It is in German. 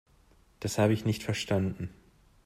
Das habe ich nicht verstanden.